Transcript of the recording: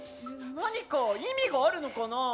何か意味があるのかな？